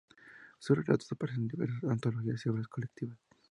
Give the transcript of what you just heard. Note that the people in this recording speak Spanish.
Sus relatos aparecen en diversas antologías y obras colectivas.